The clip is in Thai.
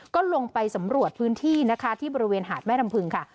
ก็ลงไปสำรวจพื้นที่นะคะที่บริเวณหาดแม่ลำพึงค่ะ